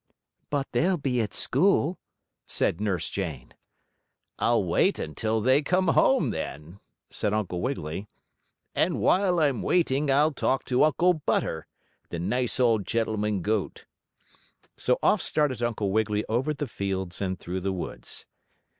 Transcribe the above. "But they'll be at school," said Nurse Jane. "I'll wait until they come home, then," said Uncle Wiggily. "And while I'm waiting I'll talk to Uncle Butter, the nice old gentleman goat." So off started Uncle Wiggily over the fields and through the woods.